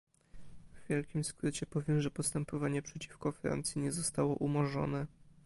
W wielkim skrócie powiem, że postępowanie przeciwko Francji nie zostało umorzone